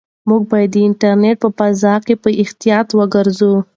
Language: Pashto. موږ باید د انټرنيټ په فضا کې په احتیاط وګرځو.